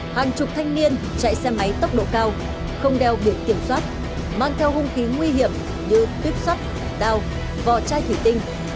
hàng chục thanh niên chạy xe máy tốc độ cao không đeo biển tiểm soát mang theo hung khí nguy hiểm như tuyếp soát đào vò chai thủy tinh